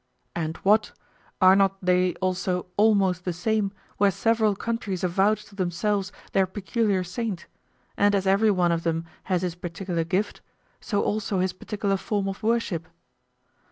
And what, are not they also almost the same where several countries avouch to themselves their peculiar saint, and as everyone of them has his particular gift, so also his particular form of worship?